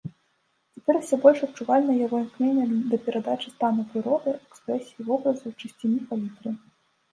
Цяпер усё больш адчувальна яго імкненне да перадачы стану прыроды, экспрэсіі вобразаў, чысціні палітры.